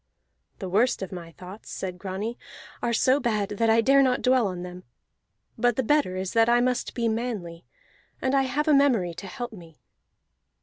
"The worst of my thoughts," said Grani, "are so bad that I dare not dwell on them. But the better is that I must be manly; and I have a memory to help me."